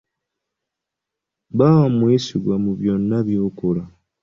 Ba mwesigwa mu byonna by'okola.